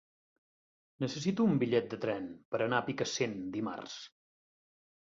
Necessito un bitllet de tren per anar a Picassent dimarts.